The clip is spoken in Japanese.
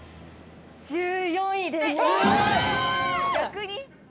１４位です。